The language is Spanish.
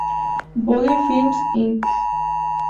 Vogue Films, Inc.